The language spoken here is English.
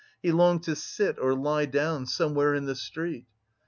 He longed to sit or lie down somewhere in the street.